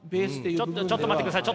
ちょっとちょっと待ってください。